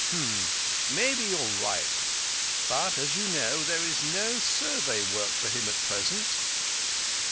"Hmm! Maybe you're right. But, as you know, there is no Survey work for him at present."